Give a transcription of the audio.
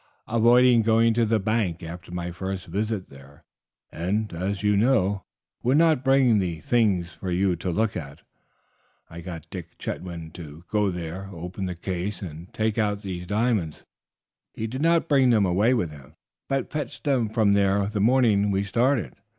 I avoided going to the bank after my first visit there, and, as you know, would not bring the things for you to look at. I got Dick Chetwynd to go there, open the case, and take out these diamonds. He did not bring them away with him, but fetched them from there the morning we started.